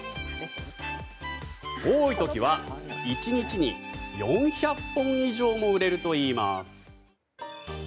多い時は１日に４００本以上も売れるといいます。